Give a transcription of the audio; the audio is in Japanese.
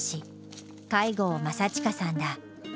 飼牛正親さんだ。